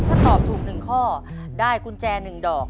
ถ้าตอบถูก๑ข้อได้กุญแจ๑ดอก